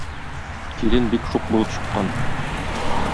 Килен бик шук булып чыккан.